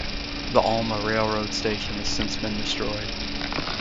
The Alma railroad station has since been destroyed.